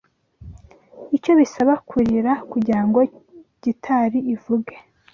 Icyo bisaba kurira kugirango gitari ivuge